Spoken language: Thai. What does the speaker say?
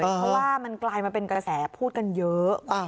เพราะว่ามันกลายมาเป็นกระแสพูดกันเยอะ